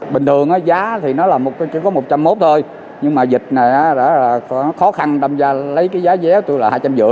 bình thường giá thì nó chỉ có một trăm linh một thôi nhưng mà dịch này khó khăn lấy giá vé tôi là hai trăm năm mươi